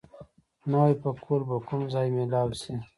نوی پکول به کوم ځای مېلاو شي؟